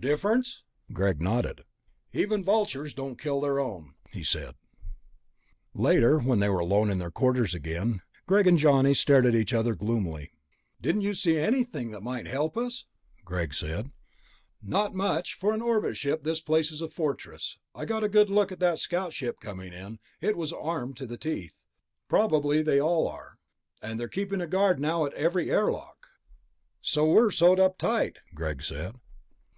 "Difference?" Greg nodded. "Even vultures don't kill their own," he said. Later, when they were alone in their quarters again, Greg and Johnny stared at each other gloomily. "Didn't you see anything that might help us?" Greg said. "Not much. For an orbit ship, this place is a fortress. I got a good look at that scout ship coming in ... it was armed to the teeth. Probably they all are. And they're keeping a guard now at every airlock." "So we're sewed up tight," Greg said.